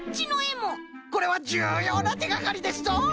これはじゅうようなてがかりですぞ！